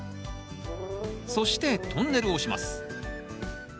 そしてトンネルをします。